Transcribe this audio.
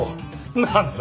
なんだ？